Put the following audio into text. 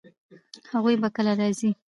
هغوی به کله راشي؟